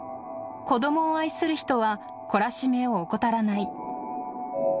子どもを愛する人は懲らしめを怠らない。